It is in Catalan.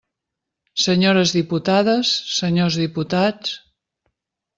Senyores diputades, senyors diputats.